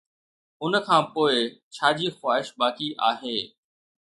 ان کان پوء، ڇا جي خواهش باقي آهي؟